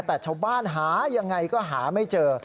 แต่ชาวบ้านหายังไงก็หาไม่เจอ